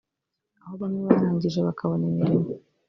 aho bamwe barangije bakabona imirimo